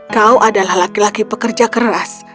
kau adalah laki laki pekerja keras